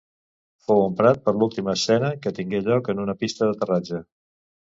Fou emprat per a l'última escena, que tingué lloc en una pista d'aterratge.